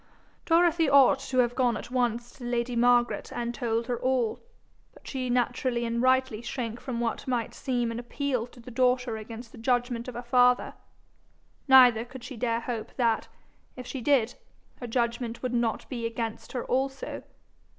Dorothy ought to have gone at once to lady Margaret and told her all; but she naturally and rightly shrank from what might seem an appeal to the daughter against the judgment of her father; neither could she dare hope that, if she did, her judgment would not be against her also.